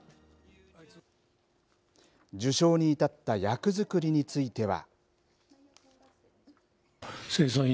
受賞に至った役作りについては。